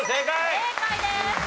正解です。